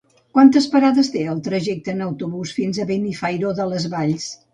Quantes parades té el trajecte en autobús fins a Benifairó de les Valls?